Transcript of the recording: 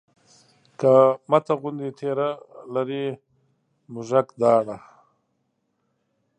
که مته غوندې تېره لري مږک داړه